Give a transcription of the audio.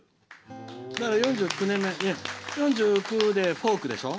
だから、４９でフォークでしょ